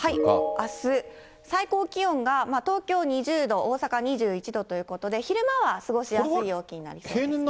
あす、最高気温が東京２０度、大阪２１度ということで、昼間は過ごしやすい陽気ですね。